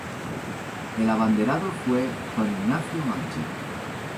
El abanderado fue Juan Ignacio Maggi.